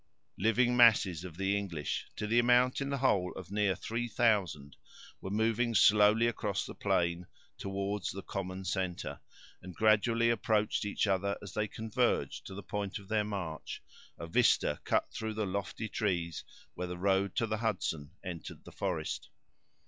Living masses of the English, to the amount, in the whole, of near three thousand, were moving slowly across the plain, toward the common center, and gradually approached each other, as they converged to the point of their march, a vista cut through the lofty trees, where the road to the Hudson entered the forest.